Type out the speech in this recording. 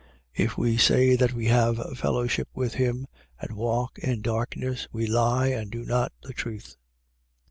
1:6. If we say that we have fellowship with him and walk in darkness, we lie and do not the truth.